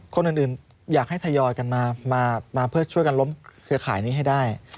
คนอื่นอยากให้ทยอยกันมาเพื่อช่วยกันล้มเครือข่ายนี้ให้ได้